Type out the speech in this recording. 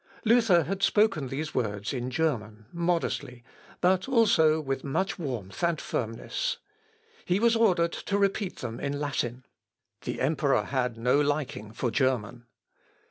Luther had spoken these words in German, modestly, but also with much warmth and firmness. He was ordered to repeat them in Latin. The emperor had no liking for German.